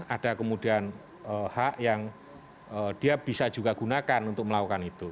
ada kemudian hak yang dia bisa juga gunakan untuk melakukan itu